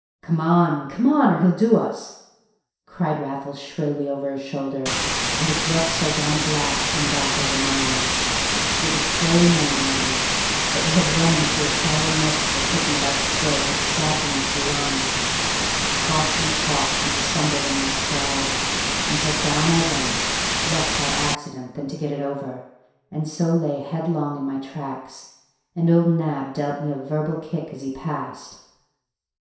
"Come on, come on, or he'll do us!" cried Raffles shrilly over his shoulder; and a gruff sardonic laugh came back over mine. It was pearly morning now, but we had run into a shallow mist that took me by the throat and stabbed me to the lungs. I coughed and coughed, and stumbled in my stride, until down I went, less by accident than to get it over, and so lay headlong in my tracks. And old Nab dealt me a verbal kick as he passed.